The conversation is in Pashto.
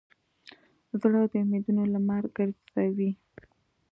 زړه د امیدونو لمر ګرځوي.